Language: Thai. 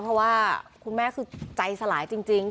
เพราะว่าคุณแม่คือใจสลายจริง